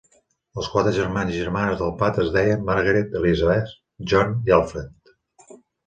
Els quatre germans i germanes de la Pat es deien: Margaret, Elizabeth, John i Alfred.